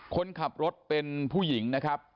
คนขับรถเป็นผู้หญิงนะครับ